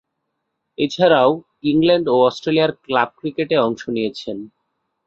এছাড়াও, ইংল্যান্ড ও অস্ট্রেলিয়ায় ক্লাব ক্রিকেটে অংশ নিয়েছেন।